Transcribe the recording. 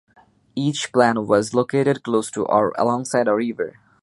Each plant was located close to or alongside a river.